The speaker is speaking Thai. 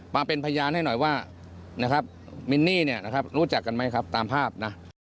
มาเป็นพยานให้หน่อยว่านะครับมินนี่เนี่ยนะครับรู้จักกันไหมครับตามภาพนะ